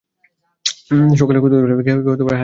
সকলে খুতখুঁত করে, কেহ কেহ হায় হায় করিতেও ছাড়ে না।